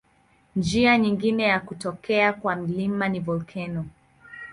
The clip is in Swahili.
Njia nyingine ya kutokea kwa milima ni volkeno.